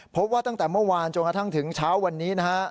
พบว่าตั้งแต่เมื่อวานจนกระทั่งถึงเช้าวันนี้นะฮะ